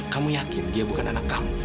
kamu yakin dia bukan anak kamu